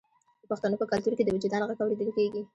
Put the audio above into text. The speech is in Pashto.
د پښتنو په کلتور کې د وجدان غږ اوریدل کیږي.